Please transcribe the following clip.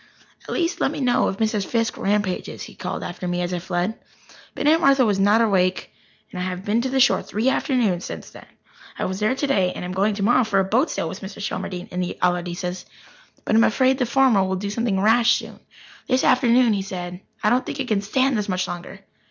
"At least let me know if Miss Fiske rampages," he called after me as I fled. But Aunt Martha was not awake and I have been to the shore three afternoons since then. I was there today, and I'm going tomorrow for a boat sail with Mr. Shelmardine and the Allardyces. But I am afraid the former will do something rash soon. This afternoon he said: "I don't think I can stand this much longer."